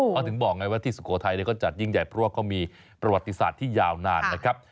เขาถึงบอกไงว่าที่สุโขทัยก็จัดยิ่งใหญ่เพราะว่าเขามีประวัติศาสตร์ที่ยาวนานนะครับ